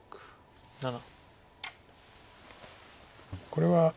これは。